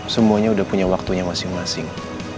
semuanya sudah punya waktunya masing masing